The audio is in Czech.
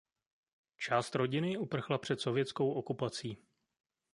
Část rodiny uprchla před sovětskou okupací.